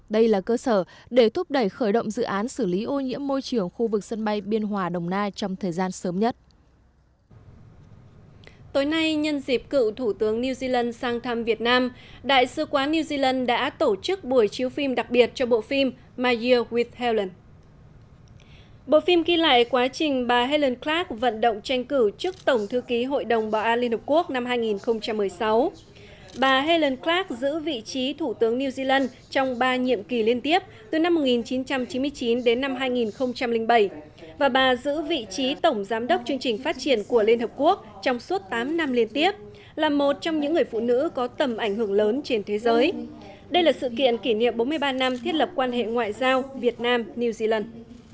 đây là sự kiện kỷ niệm bốn mươi ba năm thiết lập quan hệ ngoại giao việt nam new zealand